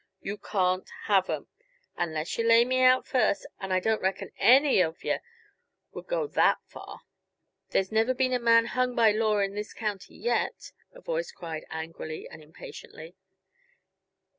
You can't have 'em unless yuh lay me out first, and I don't reckon any of yuh would go that far." "There's never been a man hung by law in this county yet," a voice cried angrily and impatiently.